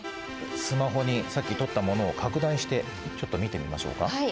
スマホにさっき撮ったものを拡大してちょっと見てみましょうか。